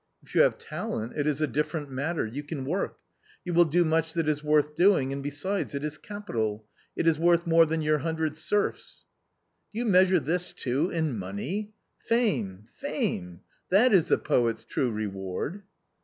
If you have talent, it is a different matter ; you can work ; you will do much that is worth doing and besides it is capital— it is worth more than your hundred serfs/' " Do you measure this too in money ? Fame ! fame ! that is the poet's true reward."